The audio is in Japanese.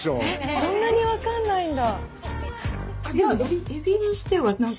そんなに分かんないんだ。